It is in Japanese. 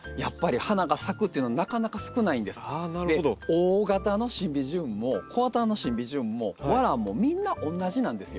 大型のシンビジウムも小型のシンビジウムも和ランもみんなおんなじなんですよ。